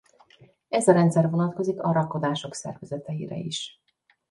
Ez a rendszer vonatkozik a rakodások szervezeteire is.